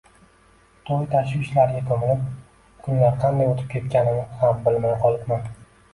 To`y tashvishlariga ko`milib, kunlar qanday o`tib ketganini ham bilmay qolibman